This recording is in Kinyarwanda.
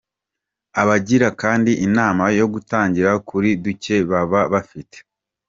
Abagira kandi inama yo gutangirira kuri duke baba bafite.